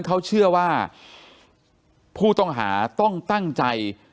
เขาเชื่อว่าผู้ต้องหาต้องตั้งใจ